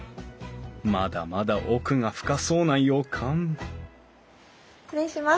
まだまだ奥が深そうな予感失礼します。